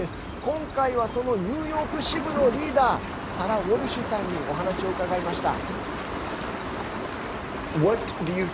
今回は、そのニューヨーク支部のリーダーサラ・ウォルシュさんにお話を伺いました。